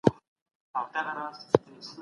مشرانو به د ولس ترمنځ د بې عدالتیو مخه نیوله.